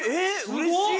うれしい！